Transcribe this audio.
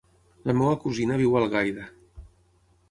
La meva cosina viu a Algaida.